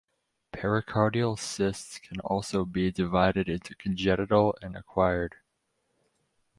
Pericardial cysts can also be divided into congenital and acquired.